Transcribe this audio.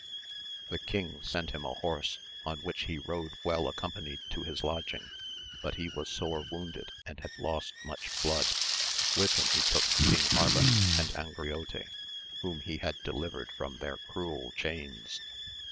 The king sent him a horse, on which he rode well accompanied to his lodging, but he was sore wounded and had lost much blood. With him he took King Arban and Angriote, whom he had delivered from their cruel chains.